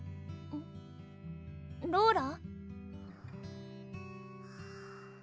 ローラ？